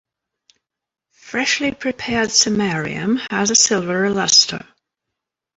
Freshly prepared samarium has a silvery luster.